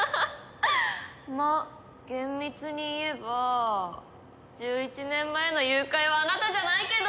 まあ厳密に言えば１１年前の誘拐はあなたじゃないけど！